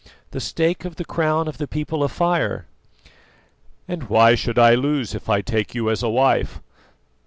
"The stake of the crown of the People of Fire." "And why should I lose if I take you as a wife?"